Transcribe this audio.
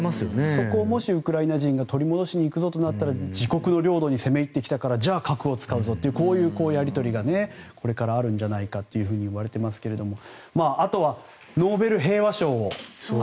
そこをもしウクライナ人が取り戻しに行くぞとなったら攻め入ってきたからじゃあ核を使うぞというやり取りがこれからあるんじゃないかといわれていますけどもそこも話題出てますね。